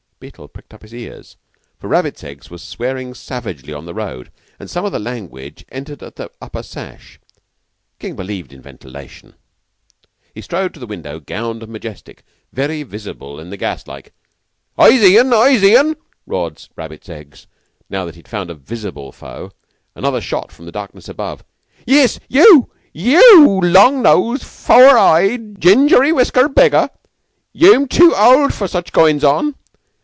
Beetle pricked up his ears, for Rabbits Eggs was swearing savagely on the road, and some of the language entered at the upper sash. King believed in ventilation. He strode to the window gowned and majestic, very visible in the gaslight. "I zee 'un! I zee 'un!" roared Rabbits Eggs, now that he had found a visible foe another shot from the darkness above. "Yiss, yeou, yeou long nosed, fower eyed, gingy whiskered beggar! Yeu'm tu old for such goin's on.